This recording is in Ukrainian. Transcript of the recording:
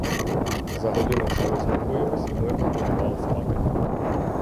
За годину всі заспокоїлись і мирно полягали спати.